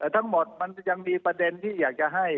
ทั้งหมดมันยังมีประเด็นที่อยากจะให้